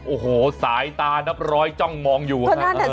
โอ้โหสายตานับร้อยจ้องมองอยู่ฮะ